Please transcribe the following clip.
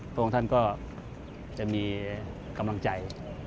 พระองค์ท่านก็จะมีกำลังใจ